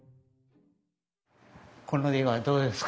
この絵はどうですか？